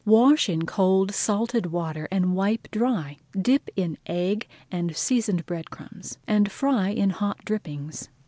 Wash in cold salted water and wipe dry. Dip in egg and seasoned bread crumbs, and fry in hot drippings.